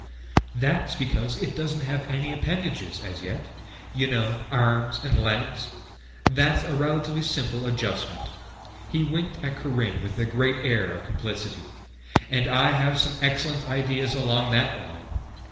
"That's because it doesn't have any appendages as yet. You know, arms and legs. That's a relatively simple adjustment." He winked at Corinne with a great air of complicity. "And I have some excellent ideas along that line.